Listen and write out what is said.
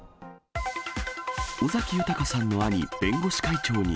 尾崎豊さんの兄、弁護士会長に。